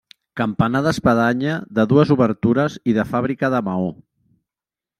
Campanar d'espadanya de dues obertures i de fàbrica de maó.